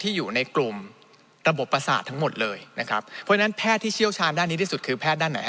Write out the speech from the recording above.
ที่อยู่ในกลุ่มระบบประสาททั้งหมดเลยนะครับครึ่งแทบที่เชี่ยวชาญด้านนี้ที่สุดคือแทบด้านไหนฮ่ะ